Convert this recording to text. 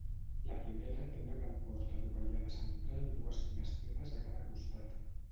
La primera té una gran porta dovellada central i dues finestretes a cada costat.